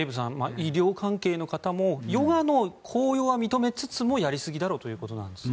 医療関係の方もヨガの効用は認めつつもやりすぎだろうということなんですね。